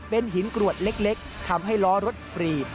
เป็นหินกรวดเล็กทำให้ล้อรถฟรีด